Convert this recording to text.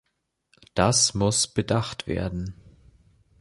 Das muss bedacht werden!